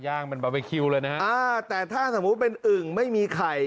เป็นบาร์บีคิวเลยนะฮะอ่าแต่ถ้าสมมุติเป็นอึ่งไม่มีไข่